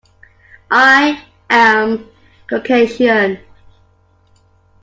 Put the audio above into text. I am Caucasian.